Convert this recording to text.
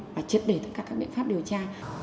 và chất để tất cả các biện pháp điều tra